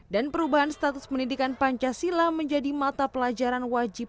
dan perubahan status pendidikan pancasila menjadi mata pelajaran wajib